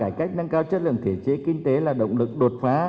cải cách nâng cao chất lượng thể chế kinh tế là động lực đột phá